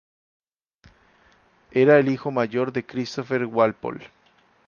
Era el hijo mayor de Christopher Walpole.